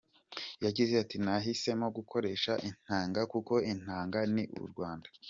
Yagize ati "Nahisemo gukoresha inanga kuko inanga ni u Rwanda.